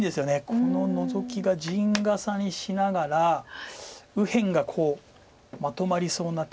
このノゾキが陣笠にしながら右辺がこうまとまりそうな手で。